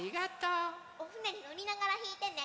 おふねにのりながらひいてね。